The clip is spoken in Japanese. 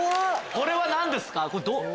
これは何ですか？